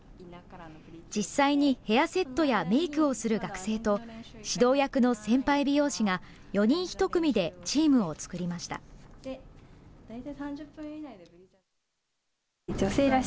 実際にヘアセットやメークをする学生と指導役の先輩美容師が４人１組でチームを作りました。